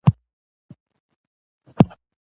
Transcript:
بزګان د افغانانو د ګټورتیا یوه برخه ده.